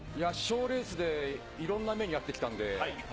賞レースでいろんな目に遭ってきたんで。